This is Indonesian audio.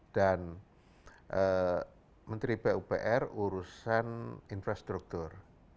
dan menteri pupr urusan infrastruktur